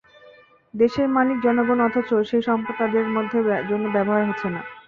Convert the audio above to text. দেশের মালিক জনগণ অথচ সেই সম্পদ তাঁদের জন্য ব্যবহার হচ্ছে না।